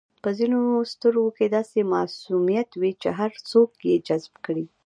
په ځینو سترګو کې داسې معصومیت وي چې هر څوک یې جذب کړي.